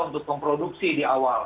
untuk memproduksi di awal